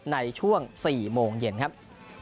ในช่วง๔โมงเย็นครับ